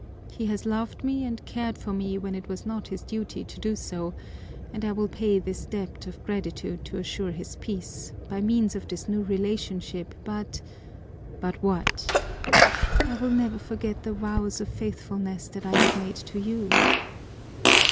He has loved me and cared for me when it was not his duty to do so, and I will pay this debt of gratitude to assure his peace, by means of this new relationship, but " "But what?" "I will never forget the vows of faithfulness that I have made to you."